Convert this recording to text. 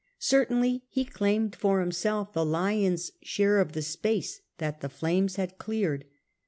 Certainly he claimed for himself the lion^s share of the space that the flames had cleared.